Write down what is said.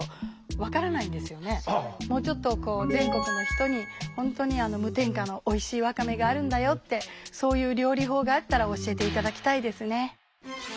もうちょっとこう全国の人に本当に無添加のおいしいわかめがあるんだよってそういう料理法があったら教えて頂きたいですね。